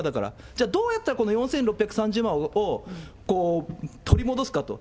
じゃあ、どうやったらこの４６３０万を取り戻すかと。